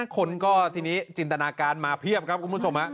คนก็ทีนี้จินตนาการมาเพียบครับคุณผู้ชม